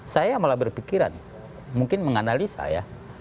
saya malah berpikiran mungkin menganalisa ya